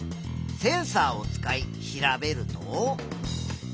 センサーを使い調べると。